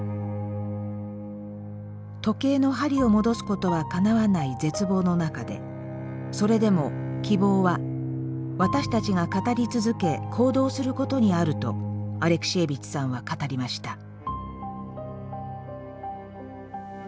時計の針を戻すことはかなわない絶望の中でそれでも希望は私たちが語り続け行動することにあるとアレクシエービッチさんは語りました。